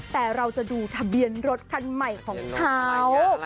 แต่เราจะดูทะเบียนรถคันใหม่ของเขา